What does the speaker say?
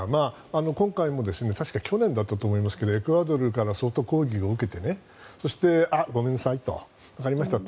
今回も去年だったと思いますがエクアドルから相当抗議を受けてごめんなさいわかりましたと。